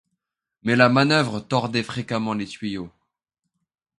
Mais la manœuvre tordait fréquemment les tuyaux.